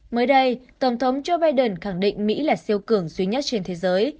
mới đây tổng thống joe biden khẳng định mỹ là siêu cường duy nhất trên thế giới